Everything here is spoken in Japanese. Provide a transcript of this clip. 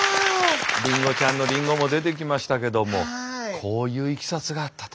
りんごちゃんのりんごも出てきましたけどもこういういきさつがあったと。